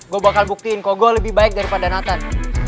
gue bakal buktiin kok gue lebih baik daripada nathan